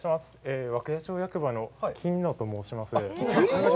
涌谷町役場の金野と申します。